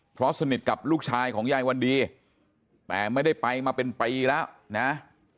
เพราะสนิทกับลูกชายของยายวันดีแต่ไม่ได้ไปมาเป็นปีแล้วนะ